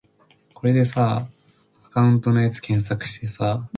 Zur yarkẽb zavẽ pẽrishon gog̃ht.